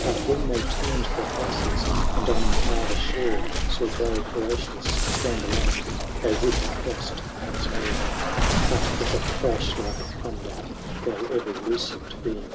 But when they turned their faces. And on the farther shore Saw brave Horatius stand alone. They would have crossed once more. IIORATIUS. 71 LV. But with a crash like thunder Fell every loosened beam.